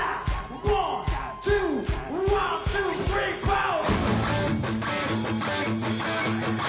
ワンツーワンツースリーフォー！